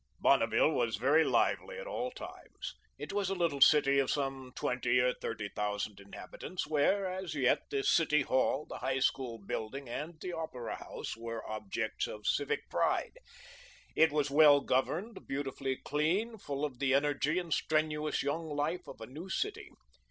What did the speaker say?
Bonneville was very lively at all times. It was a little city of some twenty or thirty thousand inhabitants, where, as yet, the city hall, the high school building, and the opera house were objects of civic pride. It was well governed, beautifully clean, full of the energy and strenuous young life of a new city.